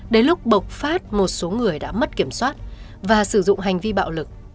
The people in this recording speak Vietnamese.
đến lúc bộc phát một số người đã mất kiểm soát và sử dụng hành vi bạo lực